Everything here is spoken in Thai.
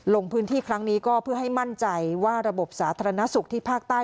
ลงพื้นที่ครั้งนี้ก็เพื่อให้มั่นใจว่าระบบสาธารณสุขที่ภาคใต้